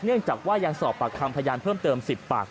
เนื่องจากว่ายังสอบปากคำพยานเพิ่มเติม๑๐ปาก